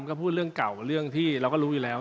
ก็พูดเรื่องเก่าเรื่องที่เราก็รู้อยู่แล้ว